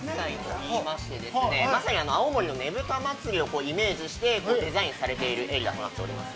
まさに青森のねぶた祭をイメージして、デザインされているエリアとなっております。